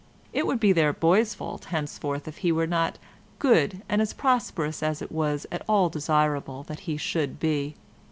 It would be their boy's fault henceforth if he were not good, and as prosperous as it was at all desirable that he should be.